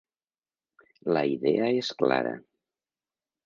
La idea és clara.